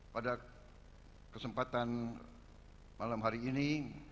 pada kesempatan malam hari ini